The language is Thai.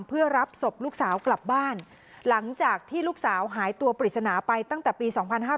เพื่อรับศพลูกสาวกลับบ้านหลังจากที่ลูกสาวหายตัวปริศนาไปตั้งแต่ปี๒๕๕๙